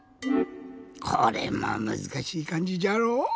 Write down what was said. これもむずかしいかんじじゃろ。